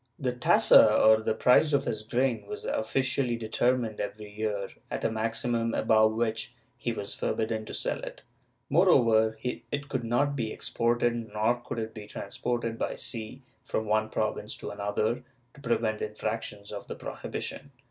The tassa or price of his grain was officially determined every year, at a maximum above which he was forbidden to sell it; moreover it could not be exported, nor could it be transported by sea from one province to another to prevent infractions of the prohibition.